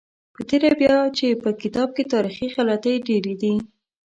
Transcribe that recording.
په تېره بیا چې په کتاب کې تاریخي غلطۍ ډېرې دي.